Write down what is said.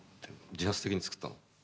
自発的に作ったの？